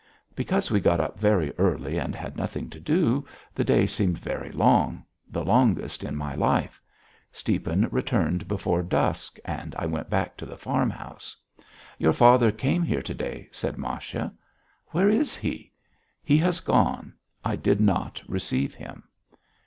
Because we got up very early and had nothing to do, the day seemed very long, the longest in my life. Stiepan returned before dusk and I went back to the farmhouse. "Your father came here to day," said Masha. "Where is he?" "He has gone. I did not receive him."